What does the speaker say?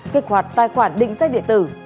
kết quả tài khoản định danh địa tử